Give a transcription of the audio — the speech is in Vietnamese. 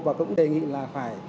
và cũng đề nghị là phải